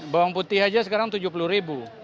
bawang putih aja sekarang tujuh puluh ribu